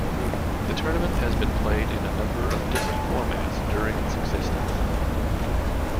The tournament has been played in a number of different formats during its existence.